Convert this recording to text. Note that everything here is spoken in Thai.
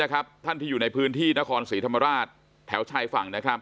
ท่านที่อยู่ในพื้นที่นครศรีธรรมราชแถวชายฝั่ง